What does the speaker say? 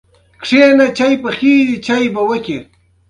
یورانیم د افغانستان د بڼوالۍ برخه ده.